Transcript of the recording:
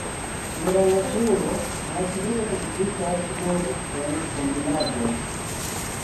En la naturo, natrio ekzistas nur en kombinaĵoj.